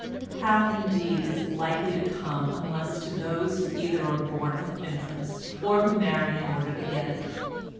How, indeed, is it likely to come unless to those who either are born with interest, or who marry in order to get it?